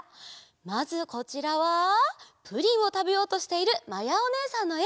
まずこちらはプリンをたべようとしているまやおねえさんのえ。